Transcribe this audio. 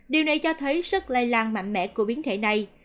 điều này cho thấy sức lây lan mạnh mẽ của biến thể này